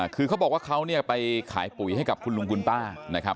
คือเขาบอกว่าเขาไปขายปุ๋ยให้กับคุณลุงกุลป้า